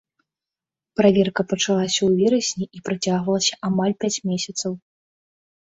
Праверка пачалася ў верасні і працягвалася амаль пяць месяцаў.